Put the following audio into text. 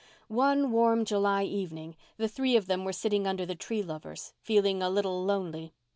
One warm July evening the three of them were sitting under the Tree Lovers, feeling a little lonely.